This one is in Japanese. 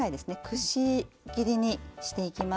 くし切りにしていきます。